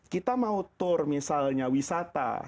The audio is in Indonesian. kita mau tour misalnya wisata